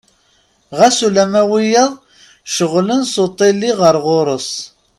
Ɣas ulamma wiyaḍ cceɣlen s uṭili ɣer ɣur-s.